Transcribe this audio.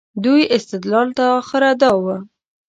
دوی استدلال تر اخره دا و.